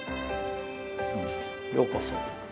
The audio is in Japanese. ようこそ。